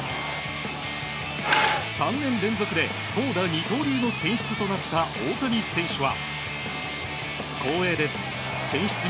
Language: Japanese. ３年連続で投打二刀流の選出となった大谷選手は。